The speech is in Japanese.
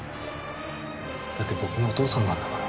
だって僕のお父さんなんだから。